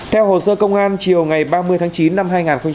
theo hồ sơ công an chiều ngày ba mươi tháng chín năm hai nghìn hai mươi ba